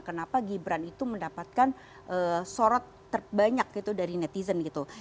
kenapa gibran itu mendapatkan sorot terbanyak gitu dari netizen gitu